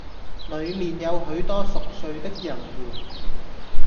裏面有許多熟睡的人們，